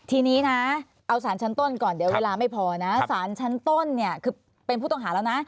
ทีนี้นะเอาสารชั้นต้นก่อนเดี๋ยวเวลาไม่พอนะสารชั้นต้นเนี่ยคือเป็นผู้ต้องหาแล้วนะ